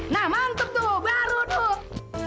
nah mantep tuh baru dong